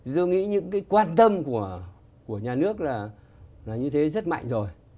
tôi nghĩ những cái quan tâm của nhà nước là như thế rất mạnh rồi